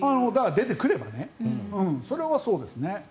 出てくればそれはそうですね。